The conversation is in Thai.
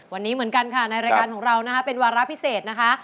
วันนี้เหมือนกันค่ะในรายการของเรานะคะเป็นวาระพิเศษนะคะ